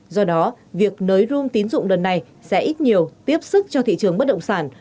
do đó việc nới rom tín dụng lần này sẽ ít nhiều tiếp sức cho thị trường bất động sản